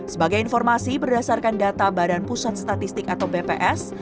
sebagai informasi berdasarkan data badan pusat statistik atau bps